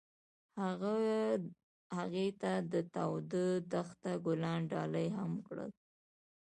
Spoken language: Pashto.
هغه هغې ته د تاوده دښته ګلان ډالۍ هم کړل.